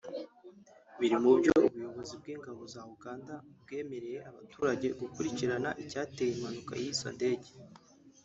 biri mubyo ubuyobozi bw’ingabo za Uganda bwemereye abaturage gukurikirana icyateye impanuka y’izo ndege